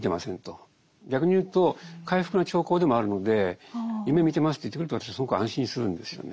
逆にいうと回復の兆候でもあるので夢見てますと言ってくれると私はすごく安心するんですよね。